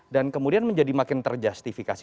kemudian menjadi makin terjustifikasi